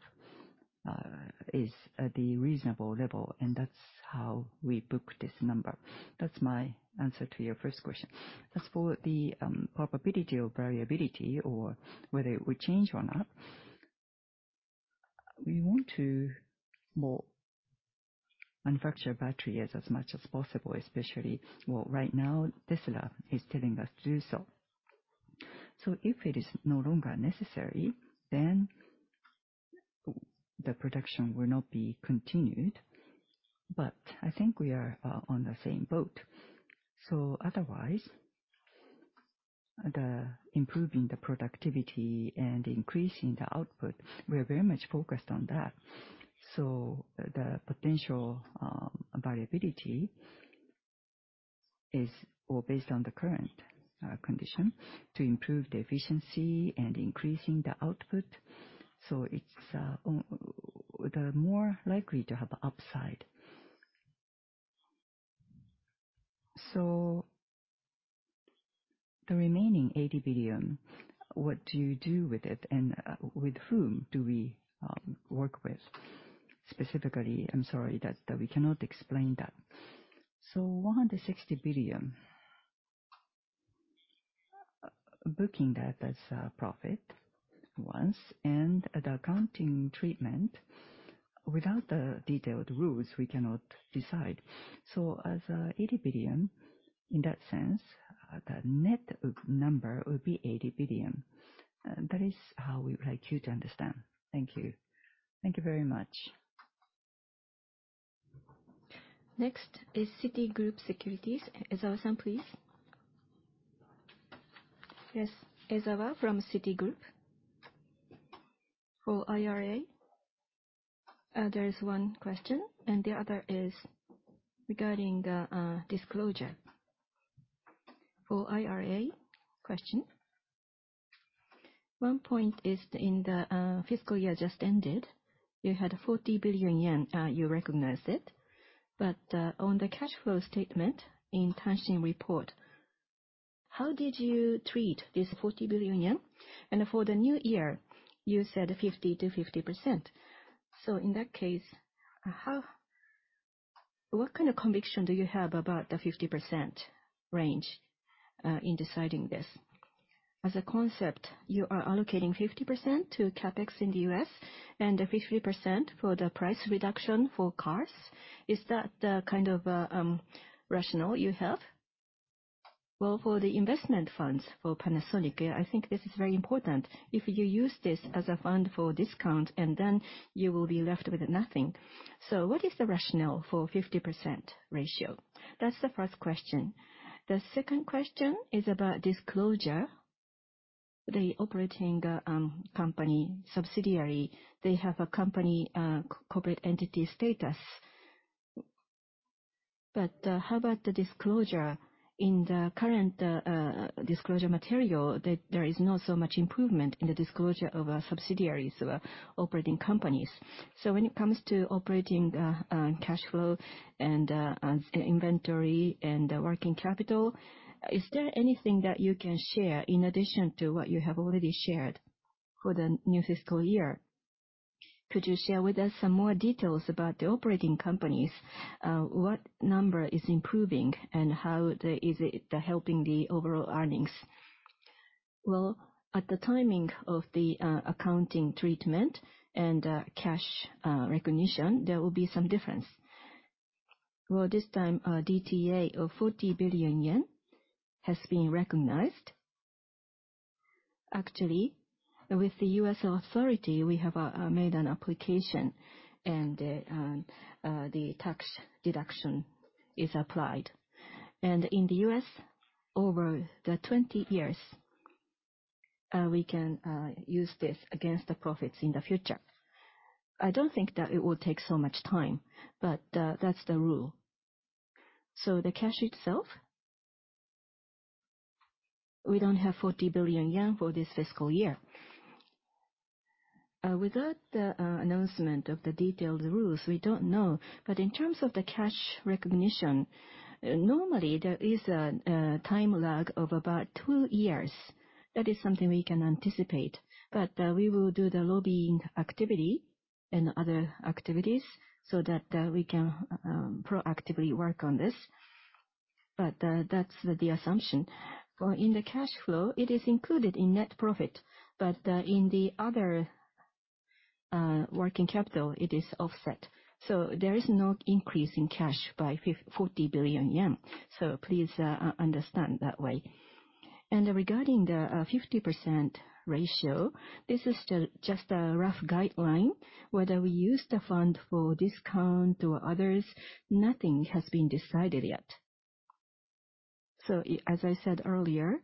is the reasonable level, and that's how we book this number. That's my answer to your first question. As for the probability of variability or whether it will change or not, we want to, well, manufacture batteries as much as possible, especially. Well, right now, Tesla is telling us to do so. If it is no longer necessary, then the production will not be continued. I think we are on the same boat. Otherwise, the improving the productivity and increasing the output, we're very much focused on that. The potential variability based on the current condition to improve the efficiency and increasing the output, it's the more likely to have upside. The remaining 80 billion, what do you do with it, and with whom do we work with specifically? I'm sorry that we cannot explain that. JPY 160 billion, booking that as a profit once and the accounting treatment, without the detailed rules, we cannot decide. As 80 billion, in that sense, the net book number will be 80 billion. That is how we would like you to understand. Thank you. Thank you very much. Next is Citigroup Securities. Ezawa-san, please. Yes. Ezawa from Citigroup. For IRA, there is one question, and the other is regarding the disclosure. For IRA question, one point is in the fiscal year just ended, you had 40 billion yen, you recognized it. On the cash flow statement in Tanshin report, how did you treat this 40 billion yen? For the new year, you said 50%-50%. In that case, what kind of conviction do you have about the 50% range in deciding this? As a concept, you are allocating 50% to CapEx in the U.S. and 50% for the price reduction for cars. Is that the kind of rationale you have? Well, for the investment funds for Panasonic, I think this is very important. If you use this as a fund for discount, you will be left with nothing. What is the rationale for 50% ratio? That's the first question. The second question is about disclosure. The operating company subsidiary, they have a company corporate entity status. How about the disclosure in the current disclosure material that there is not so much improvement in the disclosure of subsidiaries or operating companies. When it comes to operating cash flow and inventory and working capital, is there anything that you can share in addition to what you have already shared for the new fiscal year? Could you share with us some more details about the operating companies? What number is improving, and how is it helping the overall earnings? Well, at the timing of the accounting treatment and cash recognition, there will be some difference. Well, this time, DTA of 40 billion yen has been recognized. Actually, with the U.S. authority, we have made an application and the tax deduction is applied. In the U.S., over the 20 years, we can use this against the profits in the future. I don't think that it will take so much time, but that's the rule. The cash itself, we don't have 40 billion yen for this fiscal year. Without the announcement of the detailed rules, we don't know. In terms of the cash recognition, normally there is a time lag of about two years. That is something we can anticipate. We will do the lobbying activity and other activities so that we can proactively work on this. That's the assumption. Well, in the cash flow, it is included in net profit, but in the other working capital, it is offset. There is no increase in cash by 40 billion yen. Please understand that way. Regarding the 50% ratio, this is still just a rough guideline. Whether we use the fund for discount or others, nothing has been decided yet. As I said earlier,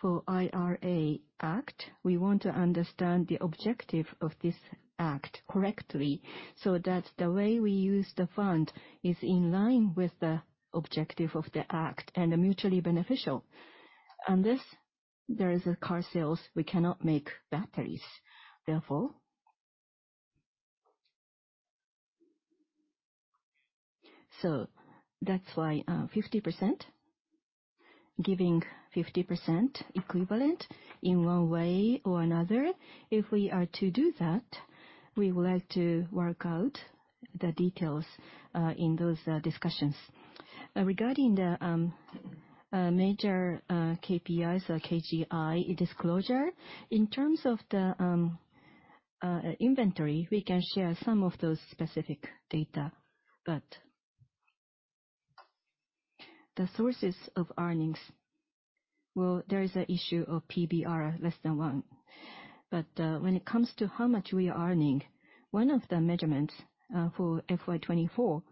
for IRA Act, we want to understand the objective of this act correctly, so that the way we use the fund is in line with the objective of the act and mutually beneficial. This, there is car sales, we cannot make batteries, therefore. That's why, 50%, giving 50% equivalent in one way or another. If we are to do that, we would like to work out the details in those discussions. Regarding the major KPIs or KGI disclosure, in terms of the inventory, we can share some of those specific data. The sources of earnings, well, there is an issue of PBR less than one. When it comes to how much we are earning, one of the measurements for FY 2024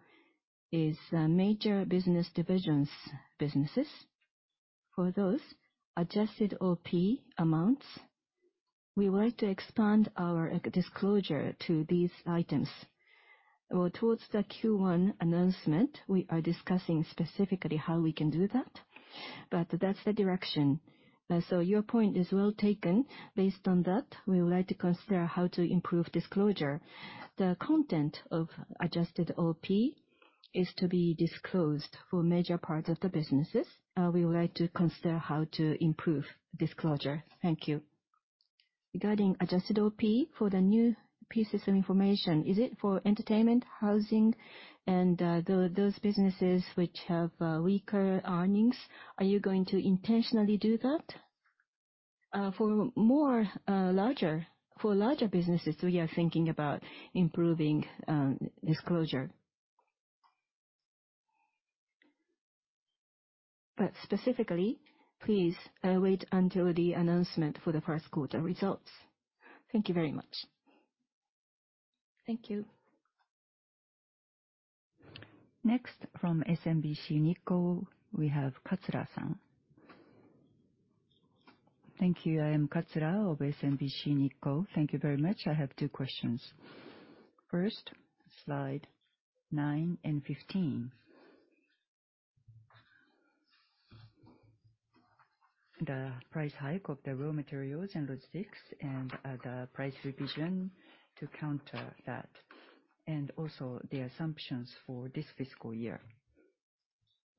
is the major business divisions businesses. For those, adjusted OP amounts, we would like to expand our disclosure to these items. Towards the Q1 announcement, we are discussing specifically how we can do that, but that's the direction. Your point is well taken. Based on that, we would like to consider how to improve disclosure. The content of adjusted OP is to be disclosed for major parts of the businesses. We would like to consider how to improve disclosure. Thank you. Regarding adjusted OP for the new pieces of information, is it for entertainment, housing, and those businesses which have weaker earnings? Are you going to intentionally do that? For larger businesses, we are thinking about improving disclosure. Specifically, please wait until the announcement for the first quarter results. Thank you very much. Thank you. Next, from SMBC Nikko, we have Katsura-san. Thank you. I am Katsura of SMBC Nikko. Thank you very much. I have two questions. First, slide 9 and 15. The price hike of the raw materials and logistics, the price revision to counter that, and also the assumptions for this fiscal year.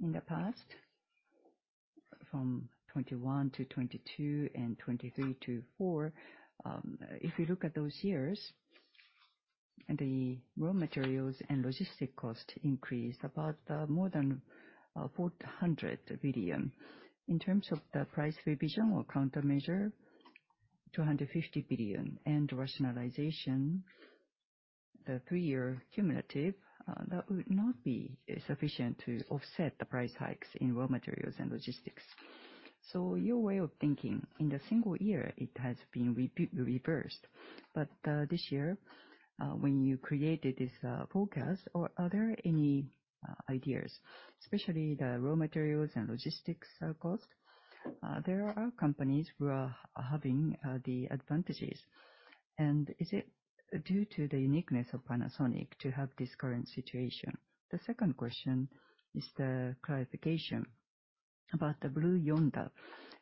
In the past, from 2021 to 2022 and 2023 to 2024, if you look at those years, the raw materials and logistic cost increased about more than 400 billion. In terms of the price revision or countermeasure, 250 billion. Rationalization, the three-year cumulative, that would not be sufficient to offset the price hikes in raw materials and logistics. Your way of thinking, in the single year, it has been reversed. This year, when you created this forecast, are there any ideas? Especially the raw materials and logistics cost. There are companies who are having the advantages. Is it due to the uniqueness of Panasonic to have this current situation? The second question is the clarification about the Blue Yonder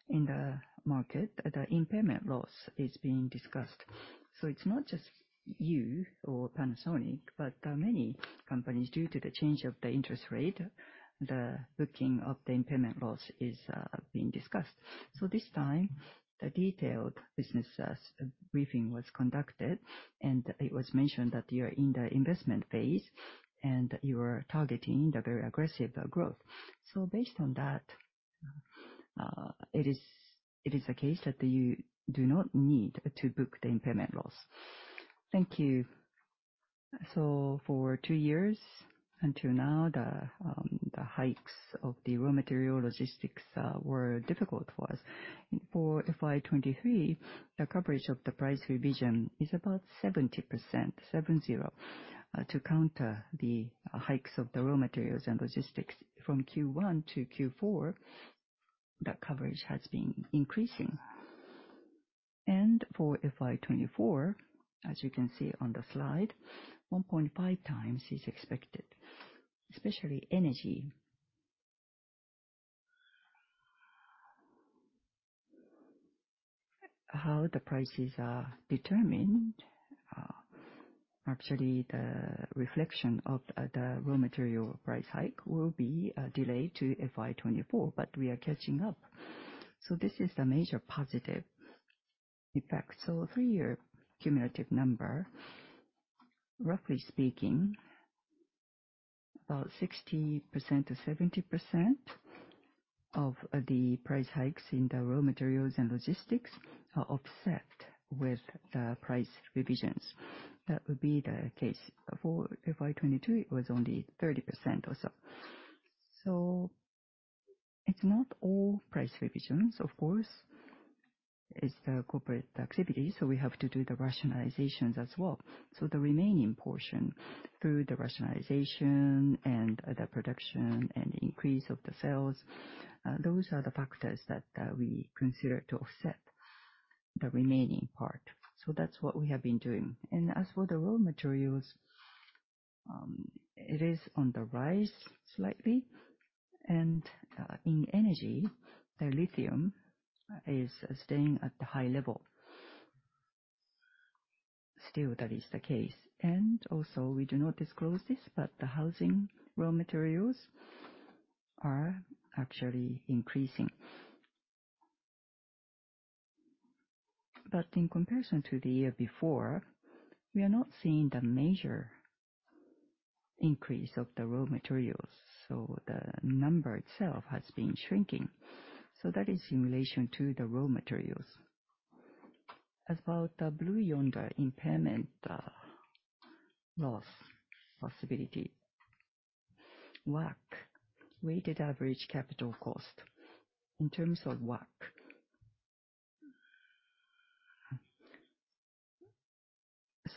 in the market. The impairment loss is being discussed. It's not just you or Panasonic, but many companies, due to the change of the interest rate, the booking of the impairment loss is being discussed. This time, the detailed business briefing was conducted, and it was mentioned that you're in the investment phase, and you are targeting the very aggressive growth. Based on that, it is a case that you do not need to book the impairment loss. Thank you. For two years until now, the hikes of the raw material logistics were difficult for us. For FY 2023, the coverage of the price revision is about 70%, 70. To counter the hikes of the raw materials and logistics from Q1 to Q4, the coverage has been increasing. For FY 2024, as you can see on the slide, 1.5 times is expected, especially energy. How the prices are determined. Actually, the reflection of the raw material price hike will be delayed to FY 2024, but we are catching up. This is the major positive effect. 3-year cumulative number, roughly speaking, about 60%-70% of the price hikes in the raw materials and logistics are offset with the price revisions. That would be the case. For FY 2022, it was only 30% or so. It's not all price revisions, of course. It's the corporate activity. We have to do the rationalizations as well. The remaining portion, through the rationalization and the production and increase of the sales, those are the factors that we consider to offset the remaining part. That's what we have been doing. As for the raw materials, it is on the rise slightly. In energy, the lithium is staying at the high level. Still that is the case. Also, we do not disclose this, but the housing raw materials are actually increasing. In comparison to the year before, we are not seeing the major increase of the raw materials, so the number itself has been shrinking. That is in relation to the raw materials. As about the Blue Yonder impairment, loss possibility. WACC, weighted average capital cost. In terms of WACC,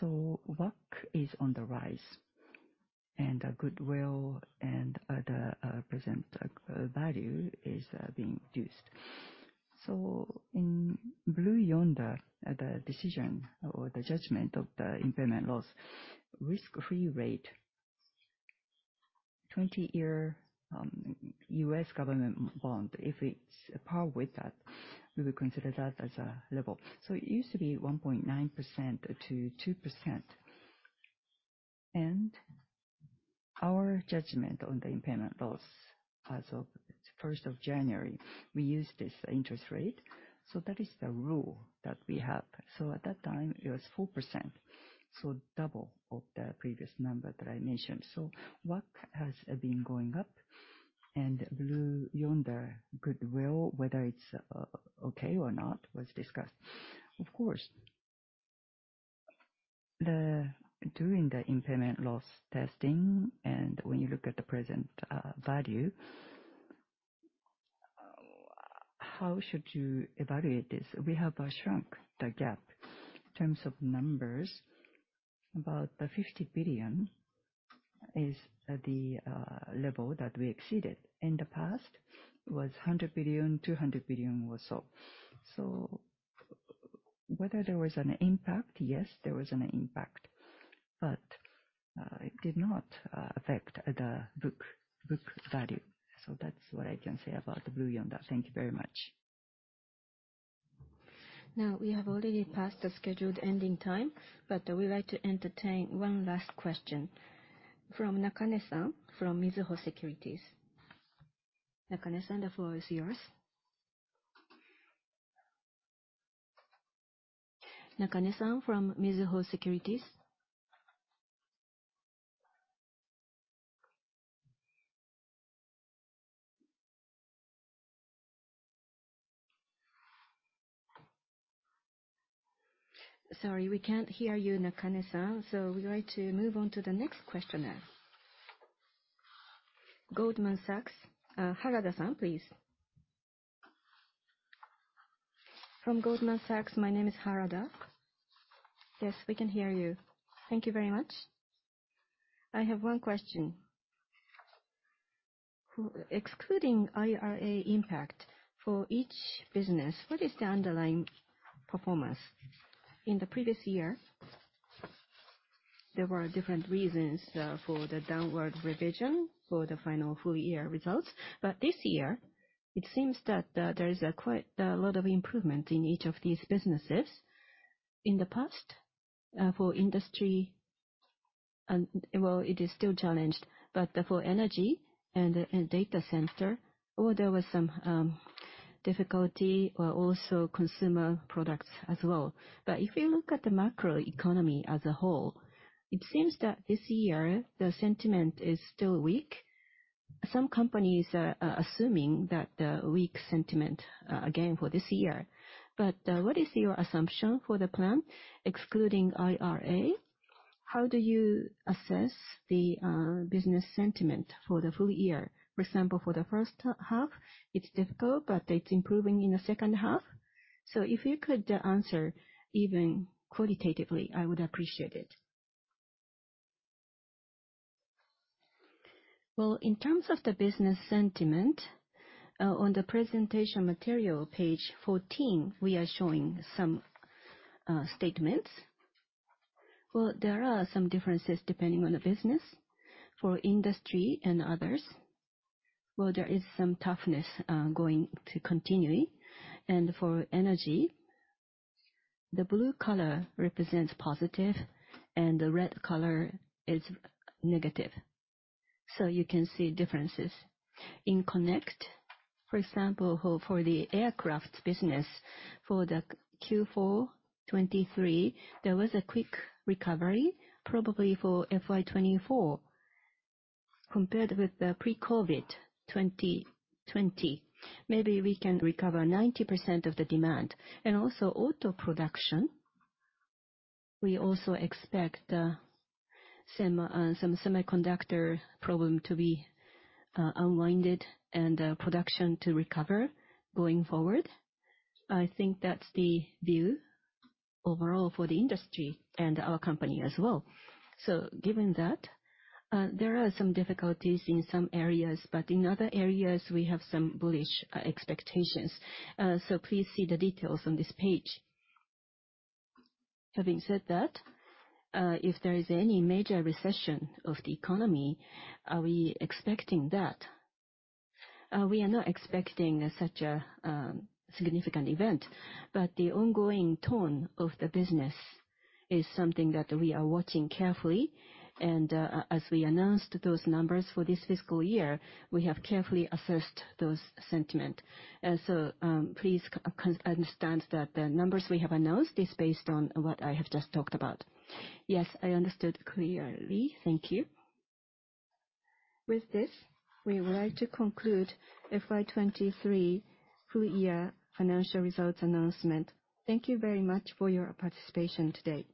WACC is on the rise, and goodwill and other present value is being reduced. In Blue Yonder, the decision or the judgment of the impairment loss, risk-free rate, 20-year US government bond, if it's par with that, we will consider that as a level. It used to be 1.9% to 2%. Our judgment on the impairment loss as of the 1st of January, we used this interest rate. That is the rule that we have. At that time, it was 4%, so double of the previous number that I mentioned. WACC has been going up, and Blue Yonder goodwill, whether it's okay or not, was discussed. Of course, during the impairment loss testing and when you look at the present value, how should you evaluate this? We have shrunk the gap. In terms of numbers, about 50 billion is the level that we exceeded. In the past, it was 100 billion, 200 billion, or so. Whether there was an impact, yes, there was an impact, but it did not affect the book value. That's what I can say about the Blue Yonder. Thank you very much. We have already passed the scheduled ending time, we'd like to entertain one last question from Nakane-san from Mizuho Securities. Nakane-san, the floor is yours. Nakane-san from Mizuho Securities? Sorry, we can't hear you, Nakane-san, we'd like to move on to the next question now. Goldman Sachs, Harada-san, please. From Goldman Sachs. My name is Harada. Yes, we can hear you. Thank you very much. I have one question. Excluding IRA impact for each business, what is the underlying performance? In the previous year, there were different reasons for the downward revision for the final full year results, this year it seems that there is quite a lot of improvement in each of these businesses. In the past, for industry and...Well, it is still challenged, but for energy and data center, there was some difficulty or also consumer products as well. If you look at the macro economy as a whole, it seems that this year the sentiment is still weak. Some companies are assuming that the weak sentiment again for this year. What is your assumption for the plan excluding IRA? How do you assess the business sentiment for the full year? For example, for the first half it's difficult, but it's improving in the second half. If you could answer even qualitatively, I would appreciate it. Well, in terms of the business sentiment, on the presentation material page 14, we are showing some statements. Well, there are some differences depending on the business. For industry and others, well, there is some toughness, going to continuing. For energy, the blue color represents positive and the red color is negative. You can see differences. In Connect, for example, for the aircraft business for the Q4 2023, there was a quick recovery probably for FY 2024 compared with the pre-COVID 2020. Maybe we can recover 90% of the demand. Also auto production, we also expect, some semiconductor problem to be, unwinded and production to recover going forward. I think that's the view overall for the industry and our company as well. Given that, there are some difficulties in some areas, but in other areas we have some bullish, expectations. Please see the details on this page. Having said that, if there is any major recession of the economy, are we expecting that? We are not expecting such a significant event, but the ongoing tone of the business is something that we are watching carefully. As we announced those numbers for this fiscal year, we have carefully assessed those sentiment. Please understand that the numbers we have announced is based on what I have just talked about. Yes, I understood clearly. Thank you. With this, we would like to conclude FY 2023 full year financial results announcement. Thank you very much for your participation today.